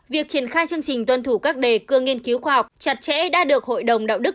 việc triển khai chương trình tuân thủ các đề cương nghiên cứu khoa học chặt chẽ đã được hội đồng đạo đức